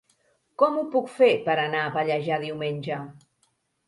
Com ho puc fer per anar a Pallejà diumenge?